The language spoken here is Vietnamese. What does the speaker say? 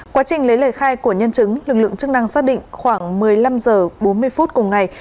quá trình lấy lời khai của nhân chứng lực lượng chức năng xác định khoảng một mươi năm h bốn mươi phút cùng ngày